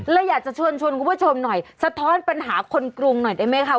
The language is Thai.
อยากจะชวนชวนคุณผู้ชมหน่อยสะท้อนปัญหาคนกรุงหน่อยได้ไหมคะ